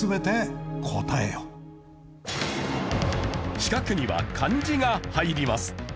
四角には漢字が入ります。